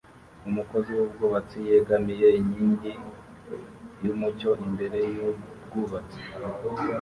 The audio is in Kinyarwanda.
Umukozi wubwubatsi yegamiye inkingi yumucyo imbere yubwubatsi